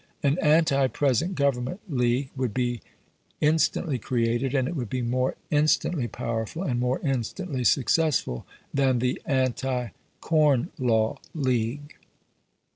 An anti present government league would be instantly created, and it would be more instantly powerful and more instantly successful than the Anti Corn Law League.